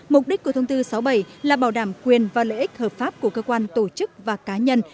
mục đích của thông tư sáu mươi bảy là bảo đảm quyền và lợi ích hợp pháp của cơ quan tổ chức và cá nhân